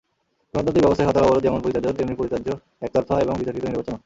গণতান্ত্রিক ব্যবস্থায় হরতাল-অবরোধ যেমন পরিত্যাজ্য, তেমনি পরিত্যাজ্য একতরফা এবং বিতর্কিত নির্বাচনও।